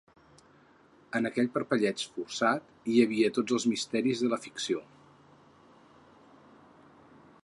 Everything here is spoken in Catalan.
En aquell parpelleig forçat hi havia tots els misteris de la ficció.